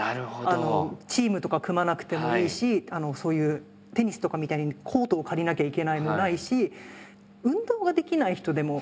あのチームとか組まなくてもいいしそういうテニスとかみたいに「コートを借りなきゃいけない」もないし運動ができない人でも。